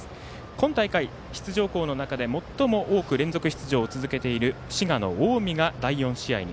今大会、出場校の中で最も多く連続出場を続けている滋賀の近江が第４試合に。